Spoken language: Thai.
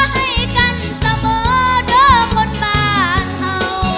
ให้กันเสมอเด้อคนบ้านเขา